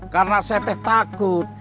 karena saya teh takut